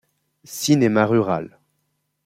Cinéma rural.